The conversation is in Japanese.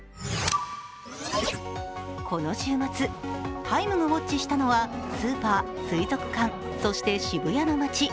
この週末、「ＴＩＭＥ」がウォッチしたのは、スーパー、水族館、そして渋谷の街。